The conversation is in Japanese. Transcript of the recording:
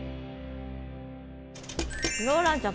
ローランちゃん